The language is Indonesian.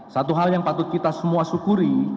satu hal yang patut kita semua syukuri